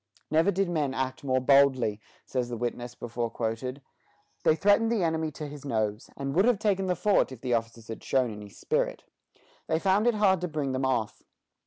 "Never did men act more boldly," says the witness before quoted; "they threatened the enemy to his nose, and would have taken the fort if the officers had shown any spirit. They found it hard to bring them off.